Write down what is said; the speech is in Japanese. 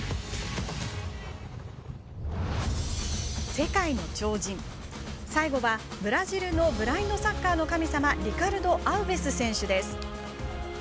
世界の超人、最後はブラジルのブラインドサッカーの神様リカルド・アウベス選手です。